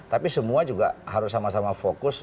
tapi semua juga harus sama sama fokus